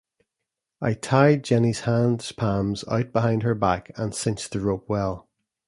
I tied Jenny's hands palms out behind her back and cinched the rope well.